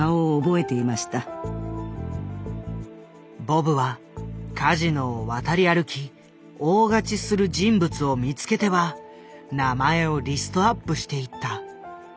ボブはカジノを渡り歩き大勝ちする人物を見つけては名前をリストアップしていった。